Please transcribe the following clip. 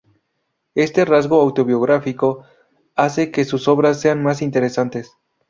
Este rasgo autobiográfico hace que sus obras sean más interesantes.